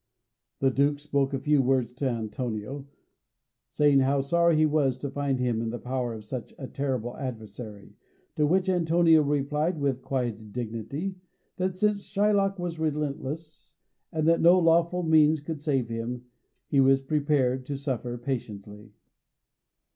The Duke spoke a few words to Antonio, saying how sorry he was to find him in the power of such a terrible adversary, to which Antonio replied, with quiet dignity, that since Shylock was relentless, and that no lawful means could save him, he was prepared to suffer patiently.